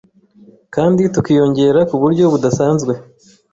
kandi tukiyongera ku buryo budasanzwe